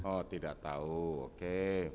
oh tidak tahu oke